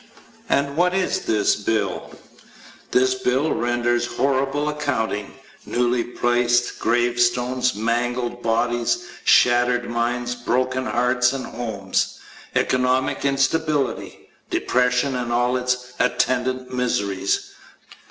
And what is this bill? This bill renders a horrible accounting. Newly placed gravestones. Mangled bodies. Shattered minds. Broken hearts and homes. Economic instability. Depression and all its attendant miseries.